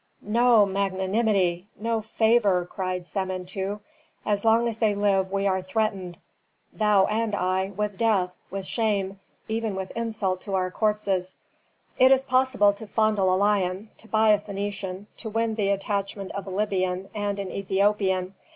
"No magnanimity! No favor!" cried Samentu. "As long as they live we are threatened, thou and I, with death, with shame, even with insult to our corpses. It is possible to fondle a lion, to buy a Phœnician, to win the attachment of a Libyan and an Ethiopian.